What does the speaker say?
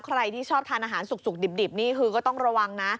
ใครที่ชอบทานอาหารสุกดิบนี่คือก็ต้องระวังนะ